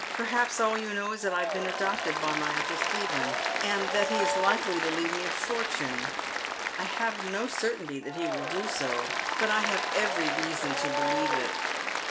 Perhaps all you know is that I have been adopted by my uncle Steplien, and that he is likely to leave me a fortune. I have no certainty that he will do so, but I have every reason to believe it."